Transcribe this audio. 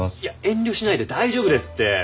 いや遠慮しないで大丈夫ですって。